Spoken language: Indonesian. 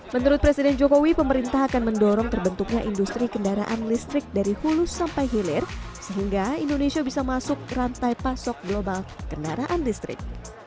menurut presiden jokowi pemerintah akan mendorong terbentuknya industri kendaraan listrik dari hulu sampai hilir sehingga indonesia bisa masuk rantai pasok global kendaraan listrik